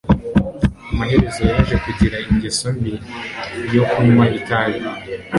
Amaherezo yaje kugira ingeso mbi yo kunywa itabi.